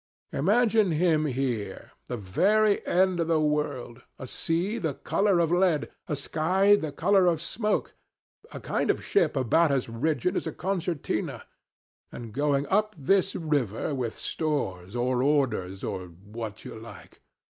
Imagine him here the very end of the world, a sea the color of lead, a sky the color of smoke, a kind of ship about as rigid as a concertina and going up this river with stores, or orders, or what you like.